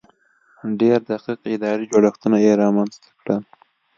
ډېر دقیق اداري جوړښتونه یې رامنځته کړل.